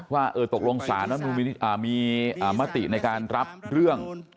ว่าตกลงศาลมีอามาติในการรับเรื่อง